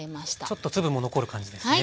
ちょっと粒も残る感じですね。